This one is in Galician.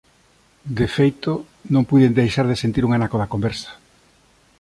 De feito, non puiden deixar de sentir un anaco da conversa.